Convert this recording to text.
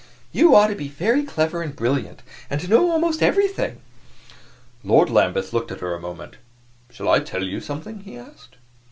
"You ought to be very clever and brilliant, and to know almost everything." Lord Lambeth looked at her a moment. "Shall I tell you something?" he asked.